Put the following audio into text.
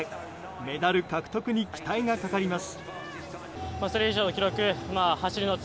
メダル獲得に期待がかかります。